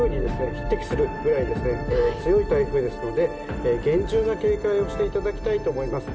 匹敵するぐらいですね強い台風ですので厳重な警戒をしていただきたいと思います。